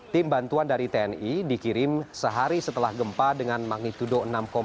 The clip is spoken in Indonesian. tim bantuan dari tni dikirim sehari setelah gempa dengan magnitudo enam tujuh